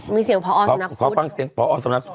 มีเสียงพวารสำนักพูด